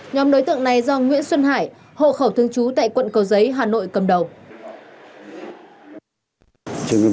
nhóm đối tượng này do nguyễn xuân hải hộ khẩu thương chú tại quận cầu giấy hà nội cầm đầu